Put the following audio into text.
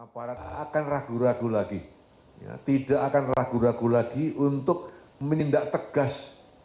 para tak akan ragu ragu lagi tidak akan ragu ragu lagi untuk menindak tegas